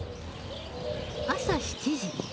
朝７時。